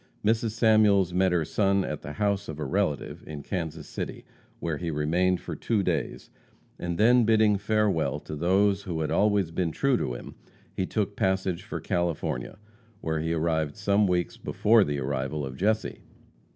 Mrs. Samuels met her son at the house of a relative in Kansas City, where he remained for two days, and then bidding farewell to those who had always been true to him, he took passage for California, where he arrived some weeks before the arrival of Jesse.